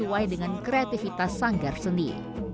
dan juga berbeda dengan kreativitas sanggar seni